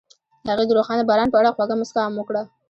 هغې د روښانه باران په اړه خوږه موسکا هم وکړه.